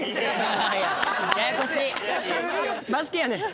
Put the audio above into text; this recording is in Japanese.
バスケやねん。